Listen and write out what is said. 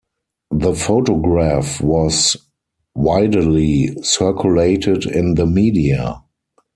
The photograph was widely circulated in the media.